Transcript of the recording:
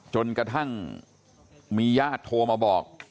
จนกระทั่งมีญาติโทรมาบอก